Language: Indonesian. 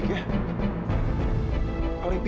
kamu itu dari mana